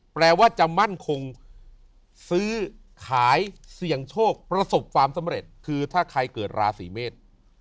แปลว่าจะมั่นคงซื้อขายเสี่ยงโชคประสบความสำเร็จคือถ้าใครเกิดราศีเมษ